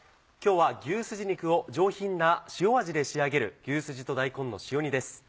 今日は牛すじ肉を上品な塩味で仕上げる「牛すじと大根の塩煮」です。